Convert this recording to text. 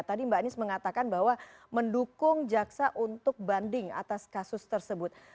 tadi mbak anies mengatakan bahwa mendukung jaksa untuk banding atas kasus tersebut